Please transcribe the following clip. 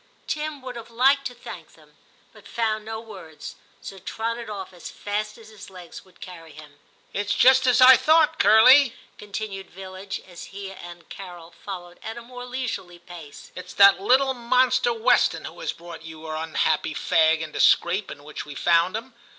Tim would have liked to thank them, but found no words, so trotted off as fast as his legs would carry him. * It's just as I thought. Curly,' continued Villidge, as he and Carol followed at a more leisurely pace ;* it's that little monster Weston who has brought your unhappy fag into the scrape in which we found him.